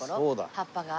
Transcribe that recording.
葉っぱが。